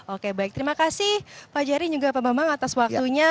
oke baik terima kasih pak jerry juga pak bambang atas waktunya